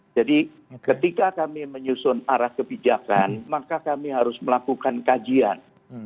jadi ketika kami menyusun arah kebijakan maka kami harus melakukan kajian